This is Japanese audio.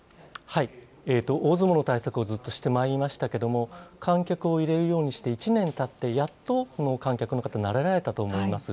大相撲の対策をずっとしてまいりましたけれども、観客を入れるようにして１年たって、やっと観客の方、慣れられたと思います。